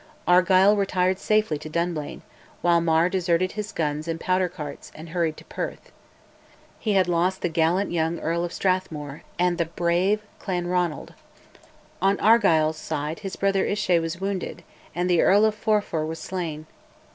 Argyll retired safely to Dunblane, while Mar deserted his guns and powder carts, and hurried to Perth. He had lost the gallant young Earl of Strathmore and the brave Clanranald; on Argyll's side his brother Islay was wounded, and the Earl of Forfar was slain.